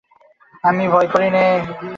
আমি ভয় করি নে।